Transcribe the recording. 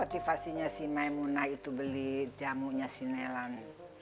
apa motivasinya si maimunah itu beli jamunya si nelan